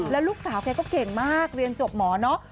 แล้วลูกสาวแกก็เก่งมากเรียนจบหมอเนอะ